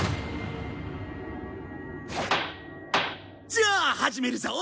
じゃあ始めるぞ。